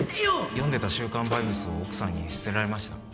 読んでた週刊バイブスを奥さんに捨てられました